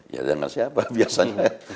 ya dengan siapa biasanya